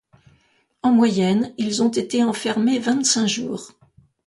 En moyenne, ils ont été enfermés vingt-cinq jours.